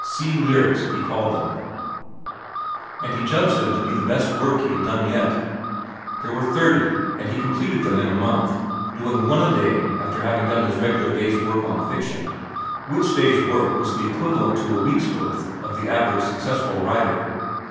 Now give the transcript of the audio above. "Sea Lyrics," he called them, and he judged them to be the best work he had yet done. There were thirty, and he completed them in a month, doing one a day after having done his regular day's work on fiction, which day's work was the equivalent to a week's work of the average successful writer.